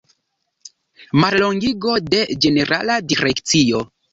Mallongigo de Ĝenerala Direkcio.